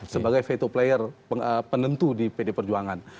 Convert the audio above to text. sebagai veto player penentu di pd perjuangan